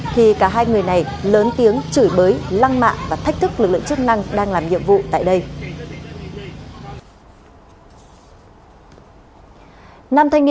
thì cả hai người này lớn tiếng chửi bới lăng mạ và thách thức lực lượng chức năng đang làm nhiệm vụ tại đây